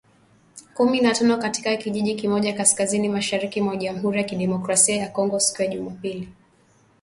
Kumi na tano katika kijiji kimoja kaskazini-mashariki mwa Jamhuri ya Kidemokrasi ya Kongo siku ya Jumapili